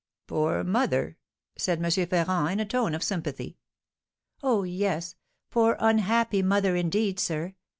"Poor mother!" said M. Ferrand, in a tone of sympathy. "Oh, yes, poor unhappy mother, indeed, sir!